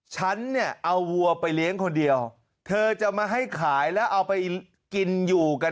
ฉันเนี่ยเอาวัวไปเลี้ยงคนเดียวเธอจะมาให้ขายแล้วเอาไปกินอยู่กัน